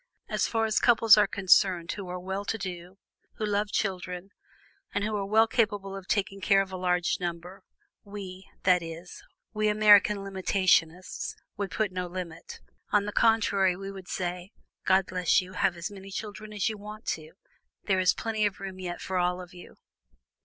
As far as couples are concerned who are well to do, who love children, and who are well capable of taking care of a large number, we, that is, we American limitationists, would put no limit. On the contrary, we would say: 'God bless you, have as many children as you want to; there is plenty of room yet for all of you.'"